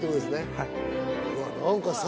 はい。